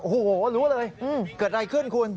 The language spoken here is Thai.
โอ้โหรู้เลยเกิดอะไรขึ้นคุณ